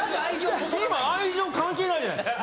今愛情関係ないじゃないですか。